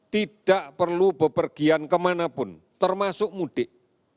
tidak perlu bepergian kemanapun termasuk mudik